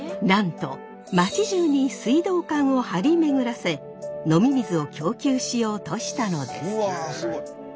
なんとまちじゅうに水道管を張り巡らせ飲み水を供給しようとしたのです。